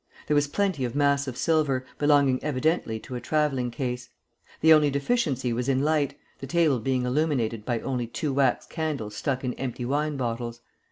There was plenty of massive silver, belonging evidently to a travelling case. The only deficiency was in light, the table being illuminated by only two wax candles stuck in empty wine bottles.